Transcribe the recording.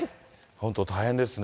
本当、大変ですね。